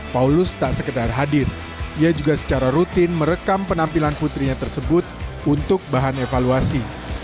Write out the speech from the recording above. paulus tak sekedar hadir ia juga secara rutin merekam penampilan putrinya tersebut untuk bahan evaluasi